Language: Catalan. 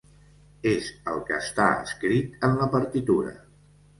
És el que està escrit en la partitura.